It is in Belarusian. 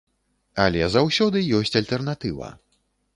Але заўсёды ёсць альтэрнатыва.